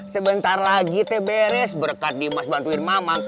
sebentar lagi teh beres berkat dimas bantuin mamang